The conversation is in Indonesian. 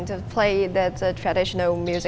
kebanyakan instrumen musik